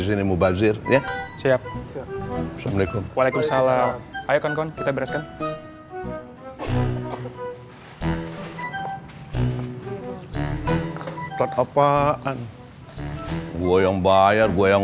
ini mau bazir ya siap assalamualaikum waalaikumsalam ayo kita bereskan apaan gue yang bayar gue yang